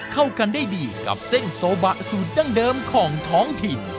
เข้ากันได้ดีกับเส้นโซบะสูตรดั้งเดิมของท้องถิ่น